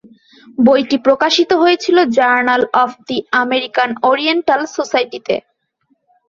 বইটি প্রকাশিত হয়েছিল journal of the American oriental সোসাইটিতে।